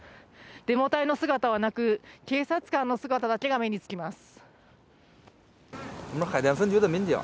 デモ隊の姿はなく、警察官の姿だけが目につきます。